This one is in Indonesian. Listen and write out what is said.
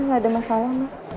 enggak ada masalah mas